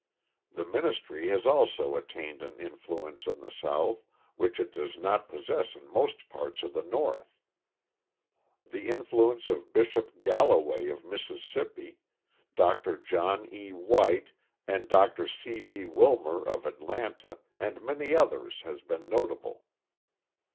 The ministry has also attained an influence in the South which it does not possess in most parts of the North. The influence of Bishop Galloway of Mississippi, Dr. John E. White and Dr. C. B. Wilmer of Atlanta, and many others has been notable.